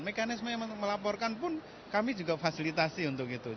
mekanisme yang melaporkan pun kami juga fasilitasi untuk itu